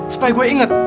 supaya gue inget